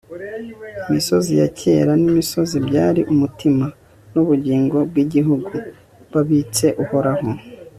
imisozi ya kera n'imisozi byari umutima nubugingo bwigihugu. babitse uhoraho